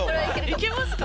いけますか？